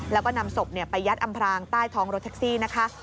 แล้วก็นำศพไปยัดอำพรางใต้ท้องรถแท็กซี่นะคะ